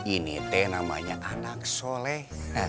ini teh namanya anak soleh